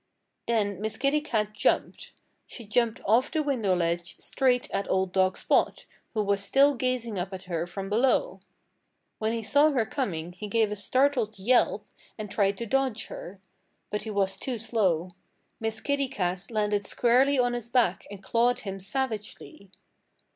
Then Miss Kitty Cat jumped. She jumped off the window ledge straight at old dog Spot, who was still gazing up at her from below. When he saw her coming he gave a startled yelp and tried to dodge her. But he was too slow. Miss Kitty Cat landed squarely on his back and clawed him savagely.